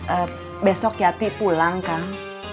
eh besok yati pulang kang